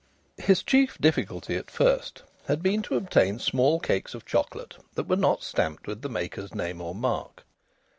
His chief difficulty at first had been to obtain small cakes of chocolate that were not stamped with the maker's name or mark.